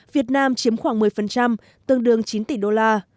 việt nam chiếm khoảng một mươi tương đương chín tỷ đô la